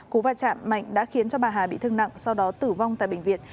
cú va chạm mạnh đã khiến cho bà hà bị thương nặng sau đó tử vong tại bệnh viện